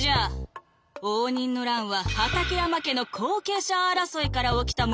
応仁の乱は畠山家の後継者争いから起きたものぞ！」。